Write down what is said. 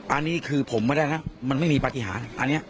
อันนี้คือผมมาได้นะมันไม่มีปฏิหาร